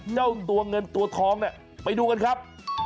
เจ้าตัวเงินตัวทองเนี่ยไปดูกันครับ